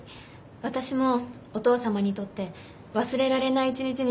私もお父さまにとって忘れられない一日にしてあげたいです。